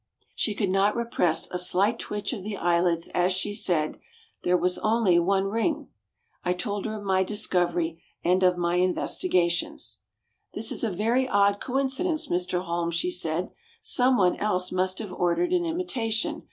She could not repress a slight twitch of the eyelids as she said: "There was only one ring." I told her of my discovery and of my investigations. "This is a very odd coincidence, Mr Holmes," she said. "Some one else must have ordered an imitation.